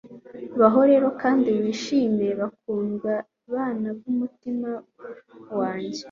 baho rero, kandi wishime, bakundwa bana b'umutima wanjye